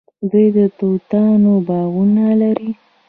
دوی د توتانو باغونه لري.